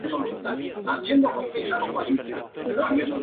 La cubierta es de cuatro aguas.